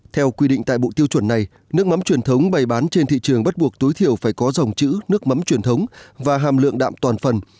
theo quy định tại bộ tiêu chuẩn này nước mắm truyền thống bày bán trên thị trường bắt buộc tối thiểu phải có dòng chữ nước mắm truyền thống và hàm lượng đạm toàn phần